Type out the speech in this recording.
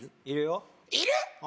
いるようんいる？